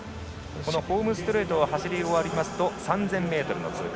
ホームストレートを走り終わりますと３０００ｍの通過。